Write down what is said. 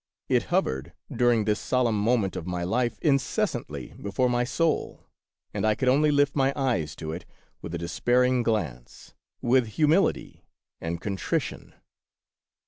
It hovered during this solemn moment of my life incessantly before my soul, and I could only lift my eyes to it with a despair ing glance, with humility and contrition.